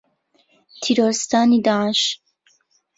تیرۆریستانی داعش